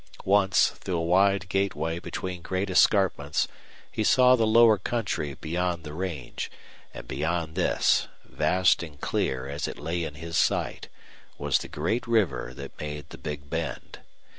Once, through a wide gateway between great escarpments, he saw the lower country beyond the range, and beyond this, vast and clear as it lay in his sight, was the great river that made the Big Bend.